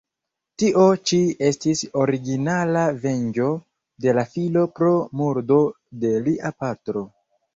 Tio ĉi estis originala venĝo de la filo pro murdo de lia patro.